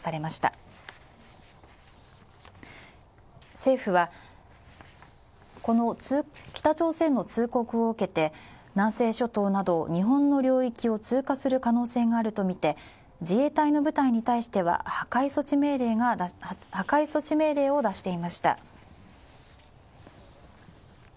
政府はこの北朝鮮通告を受けて、南西諸島など日本の領域を通過する可能性があるとみて自衛隊の部隊に対しては破壊措置命令を出していました。